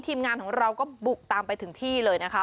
ทีมงานของเราก็บุกตามไปถึงที่เลยนะคะ